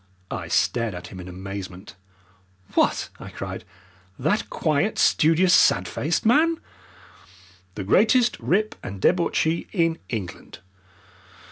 I stared at him in amazement. "What!" I cried, "that quiet, studious, sad faced man?" "The greatest rip and debauchee in England!